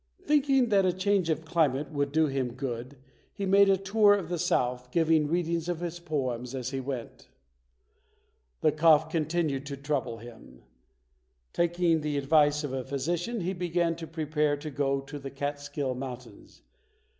Thinking that a change of climate would do him good, he made a tour of the South, giving readings of his poems as he went. The cough continued to trouble him. Taking the advice of a physician, he began to prepare to go to the Catskill Mountains.